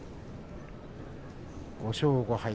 ５勝５敗